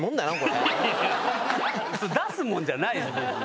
出すもんじゃないです別に。